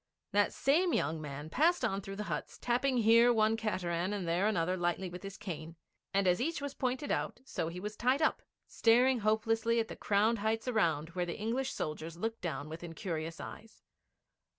That same young man passed on through the huts, tapping here one cateran and there another lightly with his cane; and as each was pointed out, so he was tied up, staring hopelessly at the crowned heights around where the English soldiers looked down with incurious eyes.